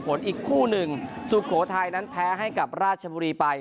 อีกคู่หนึ่งสุโขทัยนั้นแพ้ให้กับราชบุรีไป